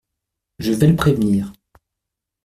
Je vais le prévenir…